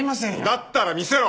だったら見せろ！